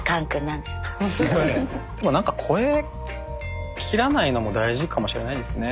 なんか超え切らないのも大事かもしれないですね。